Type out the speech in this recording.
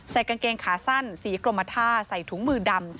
กางเกงขาสั้นสีกรมท่าใส่ถุงมือดำ